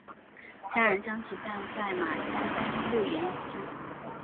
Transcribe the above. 家人将其葬在马乡官路西沿。